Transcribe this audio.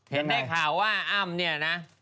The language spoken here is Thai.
เห็นได้ข่าวว่าอ้ำเนี่ยนะ